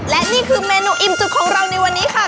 และนี่คือเมนูอิ่มจุกของเราในวันนี้ค่ะ